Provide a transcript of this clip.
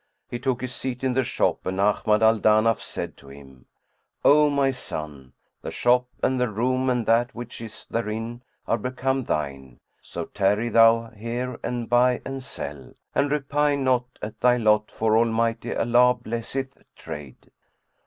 [FN#107]ook his seat in the shop and Ahmad al Danaf said to him, "O my son, the shop and the room and that which is therein are become thine; so tarry thou here and buy and sell; and repine not at thy lot for Almighty Allah blesseth trade."